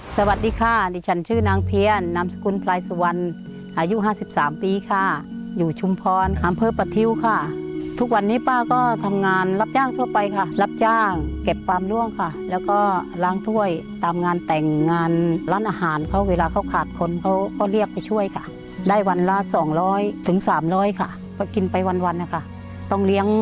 สวัสดีค่ะดิฉันชื่อนางเพียนนามสกุลพลายสุวรรณอายุห้าสิบสามปีค่ะอยู่ชุมพรอำเภอประทิ้วค่ะทุกวันนี้ป้าก็ทำงานรับจ้างทั่วไปค่ะรับจ้างเก็บฟาร์มล่วงค่ะแล้วก็ล้างถ้วยตามงานแต่งงานร้านอาหารเขาเวลาเขาขาดคนเขาก็เรียกไปช่วยค่ะได้วันละสองร้อยถึงสามร้อยค่ะก็กินไปวันวันนะคะต้องเลี้ยง